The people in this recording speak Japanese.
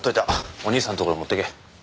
お兄さんところに持っていけ。